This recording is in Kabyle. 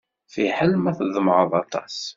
Fiḥel ma tḍemɛeḍ aṭas.